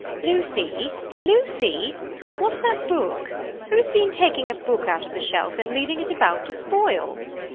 "Lucy! Lucy! What's that book? Who's been taking a book out of the shelf and leaving it about to spoil?"